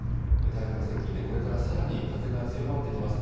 台風の接近でこれからさらに風が強まってきます。